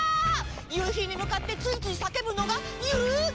ゆうひにむかってついついさけぶのがゆうがた！